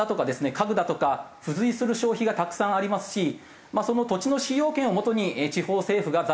家具だとか付随する消費がたくさんありますしその土地の使用権をもとに地方政府が財政を賄ってきた。